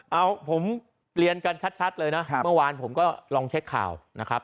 เอาผมเรียนกันชัดเลยนะเมื่อวานผมก็ลองเช็คข่าวนะครับ